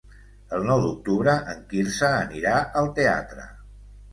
El nou d'octubre en Quirze anirà al teatre.